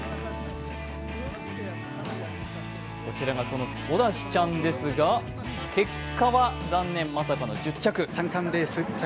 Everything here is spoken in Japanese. こちらがそのソダシちゃんですが、結果は残念、まさかの１０着。